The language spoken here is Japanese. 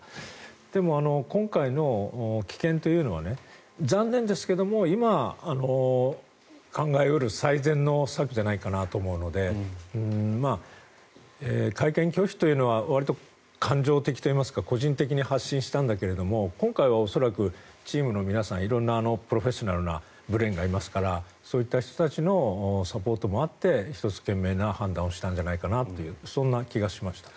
でも、今回の棄権というのは残念ですけれど今考え得る最善の策じゃないかなと思うので会見拒否というのはわりと感情的というか個人的に発信したんだけども今回は恐らくチームの皆さん色んなプロフェッショナルなブレーンがいますからそういった人たちのサポートもあって１つ賢明な判断をしたんじゃないかなというそんな気がしました。